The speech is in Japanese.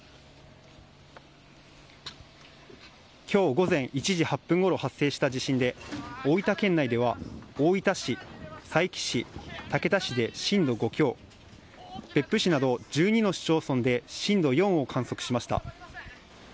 今日午前１時８分頃発生した地震で大分県内では大分市、佐伯市、竹田市で震度５強別府市など１２の市町村で震度４を観測しました。